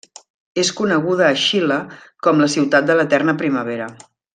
És coneguda a Xile com la Ciutat de l'Eterna Primavera.